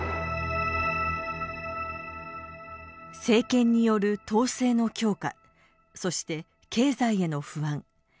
政権による統制の強化そして経済への不安。